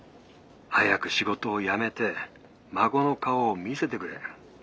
☎早く仕事を辞めて孫の顔を見せてくれ。